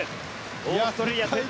オーストラリア、先頭。